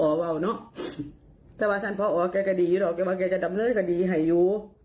แต่ว่าท่านพอมันก็จะดีหรอกแต่ว่าจะดำเนิดก็ดีหายอยู่